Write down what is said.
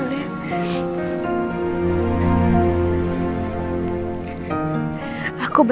aku baik baik aja kok pa